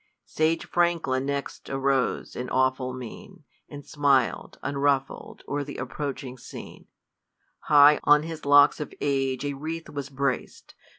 Sage Franklin next arose, in awful mien, And smil'd, unruffled, o'er th' approaching scene ; High, on his locks of age, a wreath was brac'd.